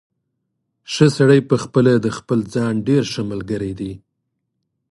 ښه سړی پخپله د خپل ځان ډېر ښه ملګری دی.